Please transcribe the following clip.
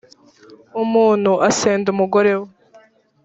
umuntu asenda umugore we